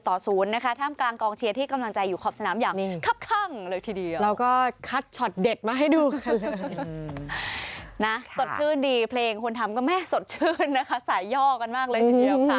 ต่อศูนย์นะคะท่ามกลางกองเชียร์ที่กำลังใจอยู่ขอบสนามอย่าง